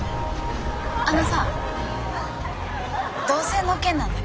あのさ同棲の件なんだけどさ。